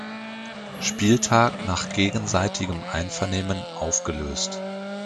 Spieltag nach gegenseitigem Einvernehmen aufgelöst.